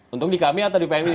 untung di kami atau di pmii